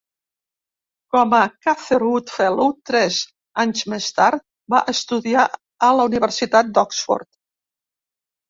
Com a Catherwood Fellow tres anys més tard, va estudiar a la Universitat d'Oxford.